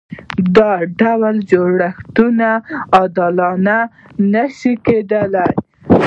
دا ډول جوړښتونه عادلانه نشي ګڼل کېدای.